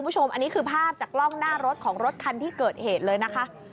จากกล้องหน้ารถรถคันที่เกิดเหตุเลยนะคะ